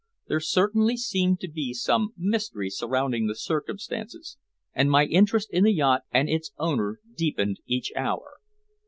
There certainly seemed some mystery surrounding the circumstances, and my interest in the yacht and its owner deepened each hour.